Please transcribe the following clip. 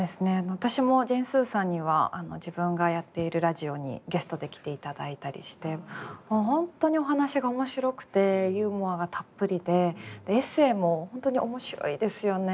私もジェーン・スーさんには自分がやっているラジオにゲストで来ていただいたりして本当にお話が面白くてユーモアがたっぷりでエッセイも本当に面白いですよね。